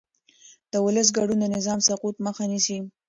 د ولس ګډون د نظام سقوط مخه نیسي